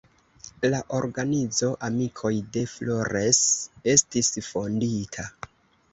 La organizo "amikoj de Flores" estis fondita.